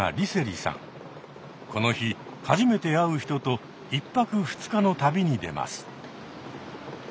この日初めて会う人と１泊２日の旅に出ます。